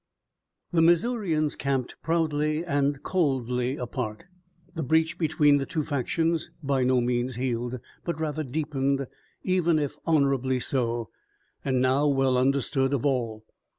The Missourians camped proudly and coldly apart, the breach between the two factions by no means healed, but rather deepened, even if honorably so, and now well understood of all.